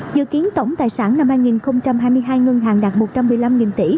dự kiến tổng tài sản năm hai nghìn hai mươi hai ngân hàng đạt một trăm một mươi năm tỷ